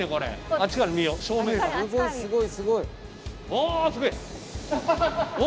あすごいお！